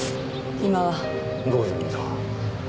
今はどういう意味だ？